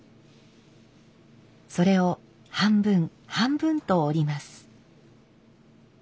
それを半分半分と折ります。